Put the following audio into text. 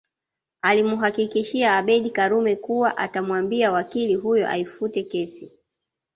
Alimuhakikishia Abeid Karume kuwa atamwambia wakili huyo aifute kesi